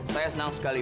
saya senang sekali